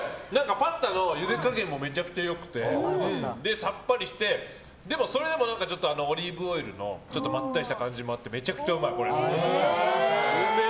パスタのゆで加減もめちゃくちゃ良くてさっぱりして、それでもオリーブオイルのまったりした感じもあってめちゃくちゃうまい。